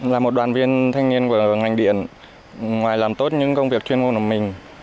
là một đoàn viên thanh niên của ngành điện ngoài làm tốt những công việc chuyên môn của mình